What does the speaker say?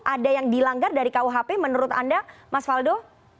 ada yang dilanggar dari kuhp menurut anda mas faldo